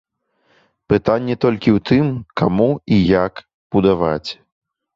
Пытанне толькі ў тым, каму і як будаваць.